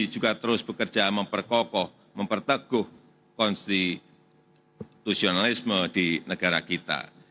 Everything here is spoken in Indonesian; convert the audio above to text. juga terus bekerja memperkokoh memperteguh konstitusionalisme di negara kita